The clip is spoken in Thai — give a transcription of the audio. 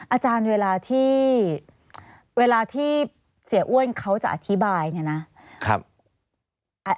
อาจารย์เวลาที่เสียอ้วนเขาจะอธิบาย